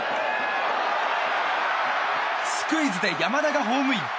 スクイズで山田がホームイン！